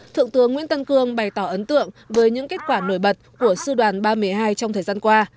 thượng tướng nguyễn tân cương bày tỏ ấn tượng với những kết quả nổi bật của sư đoàn ba trăm một mươi hai trong thời gian qua